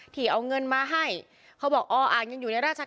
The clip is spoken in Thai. ที่เอาเงินมาให้เขาบอกออ่างยังอยู่ในราช